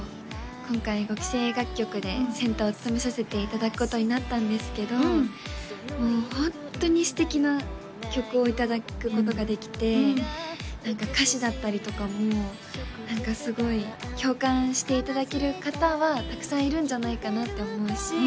今回５期生楽曲でセンターを務めさせていただくことになったんですけどもうホントに素敵な曲をいただくことができて何か歌詞だったりとかも何かすごい共感していただける方はたくさんいるんじゃないかなって思うし